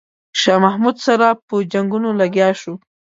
شاه محمود سره په جنګونو لګیا شو.